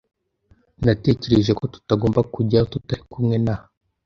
Natekereje ko tutagomba kujyayo tutari kumwe na .